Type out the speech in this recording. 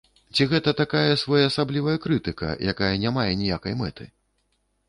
Ці гэта такая своеасаблівая крытыка, якая не мае ніякай мэты?